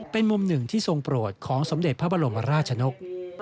เป็นมุมหนึ่งที่ทรงโปรดของสมเด็จพระบรมราชนก